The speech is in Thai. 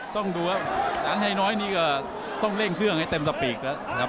ต้องดูแสนชัยน้อยนี่ก็ต้องเร่งเครื่องให้เต็มสปีก